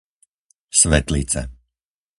Svetlice